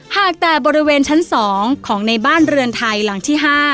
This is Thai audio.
หากแต่บริเวณชั้น๒ของในบ้านเรือนไทยหลังที่๕